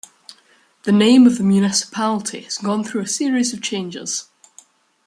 The name of the municipality has gone through a series of changes.